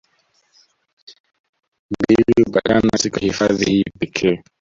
Mbili hupatikana katika hifadhi hii pekee